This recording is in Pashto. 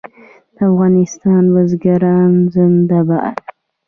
د افغانستان بزګران زنده باد.